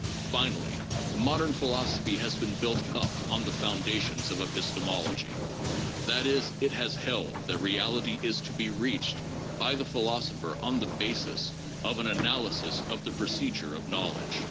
Finally, modern philosophy has been built up on the foundations of episte mology ; that is, it has held that reality is to be reached by the philos opher on the basis of an analysis of the procedure of knowledge.